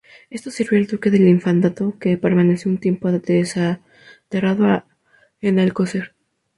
Éste sirvió al duque del Infantado, que permaneció un tiempo desterrado en Alcocer.